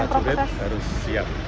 sebagai para jurid harus siap